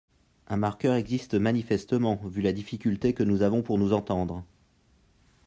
Un marqueur existe manifestement, vu la difficulté que nous avons pour nous entendre.